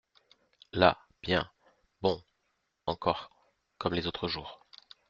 Là bien !… bon !… encore comme les autres jours…